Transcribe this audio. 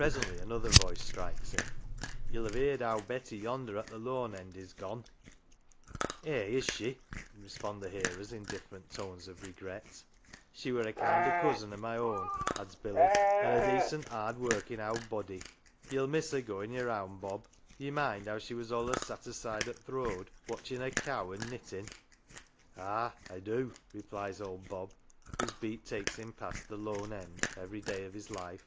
Presently another voice strikes in :" Ye'll have heerd owd Betty yonder at the lone end is gone ?"" Eh, is she ?" respond the hearers in different tones of regret. 257 R MATES " She were a kind o' cousin o' my own,"" adds Billy, " an 1 a decent 'ard workin' ovvd body. Yell miss her goin' your round, Bob. Ye mind how she was all us sat aside o' th' road watchin' her cow, an' kniUm'." " Ah, I do," replies old Bob, whose beat takes him past the " lone end " every day of his life.